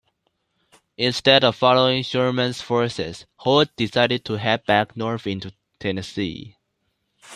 Instead of following Sherman's forces, Hood decided to head back north into Tennessee.